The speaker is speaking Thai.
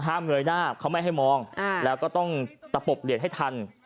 เงยหน้าเขาไม่ให้มองแล้วก็ต้องตะปบเหรียญให้ทัน